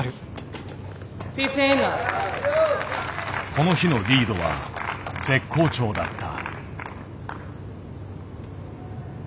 この日のリードは絶好調だった。